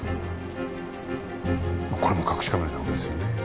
これも隠しカメラなわけですよね。